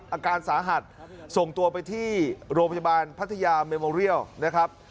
อาการสาหัสส่งตัวไปที่โรงพยาบาลพัทยาเมโมเรียลนะครับ